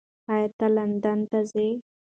ایا ته لندن ته ځې؟